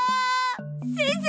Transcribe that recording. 先生！